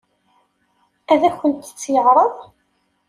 Ad akent-tt-yeɛṛeḍ?